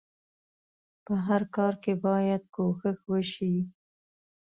په هر کار کې بايد کوښښ وشئ.